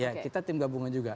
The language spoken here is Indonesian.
ya kita tim gabungan juga